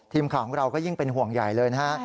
ทีมข่าวของเราก็ยิ่งเป็นห่วงใหญ่เลยนะฮะ